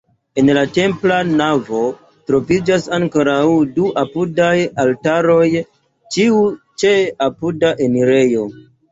En la templa navo troviĝas ankoraŭ du apudaj altaroj, ĉiu ĉe apuda enirejo.